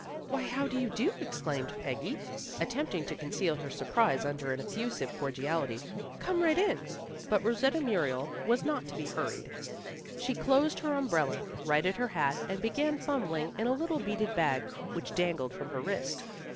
"Why, how do you do?" exclaimed Peggy, attempting to conceal her surprise under an effusive cordiality. "Come right in." But Rosetta Muriel was not to be hurried. She closed her umbrella, righted her hat, and began fumbling in a little beaded bag which dangled from her wrist.